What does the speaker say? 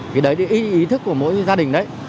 thì đấy là ý thức của mỗi gia đình